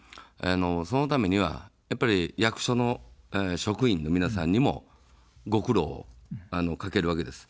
そのためにはやっぱり役所の職員の皆さんにもご苦労をかけるわけです。